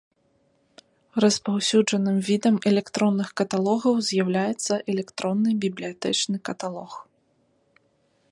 Распаўсюджаным відам электронных каталогаў з'яўляецца электронны бібліятэчны каталог.